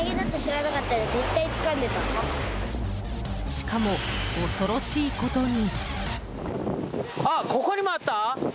しかも、恐ろしいことに。